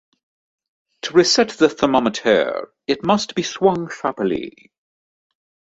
To reset the thermometer it must be swung sharply.